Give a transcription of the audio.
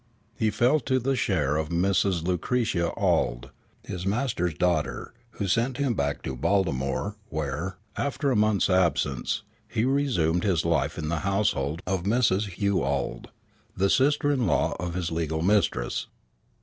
He fell to the share of Mrs. Lucretia Auld, his masters daughter, who sent him back to Baltimore, where, after a month's absence, he resumed his life in the household of Mrs. Hugh Auld, the sister in law of his legal mistress.